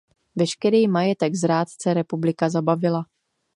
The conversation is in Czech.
Veškerý majetek "zrádce" republika zabavila.